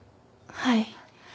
はい。